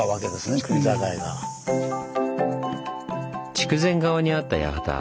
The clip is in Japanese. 筑前側にあった八幡。